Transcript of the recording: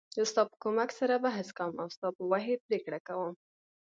زه ستا په کومک سره بحث کوم او ستا په وحی پریکړه کوم .